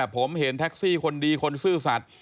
ผมเห็นแท็กซี่คนดีคนซื่อสัตว์